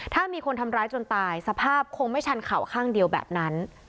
ถ้ามีคนทำร้ายจนตายสภาพคงไม่ชันเข่าข้างเดียวแบบนั้น